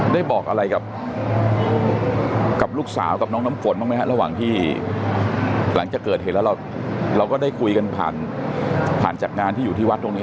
ได้บอกอะไรกับลูกสาวกับน้องน้ำฝนบ้างไหมฮะระหว่างที่หลังจากเกิดเหตุแล้วเราก็ได้คุยกันผ่านผ่านจากงานที่อยู่ที่วัดตรงนี้